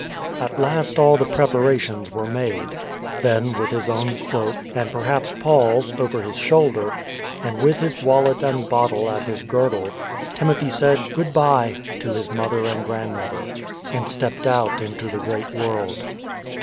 At last all the preparations were made. Then, with his own cloak, and perhaps Paul's, over his shoulder, and with his wallet and bottle at his girdle, Timothy said " Goodbye " to his mother and grandmother, and stepped out into the great world.